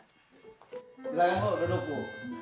silahkan bu duduk bu